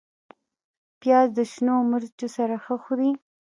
پیاز د شنو مرچو سره ښه خوري